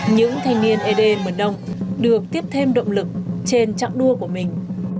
những thanh niên ed mở nông được tiếp thêm động lực trên trạng đua của mình